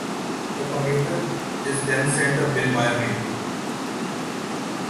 The commuter is then sent a bill via mail.